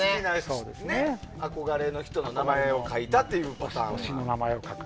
憧れの人の名前を書いたというパターンも。